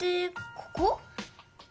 ここ？